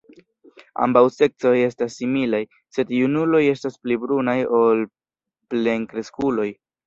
Ambaŭ seksoj estas similaj, sed junuloj estas pli brunaj ol plenkreskuloj.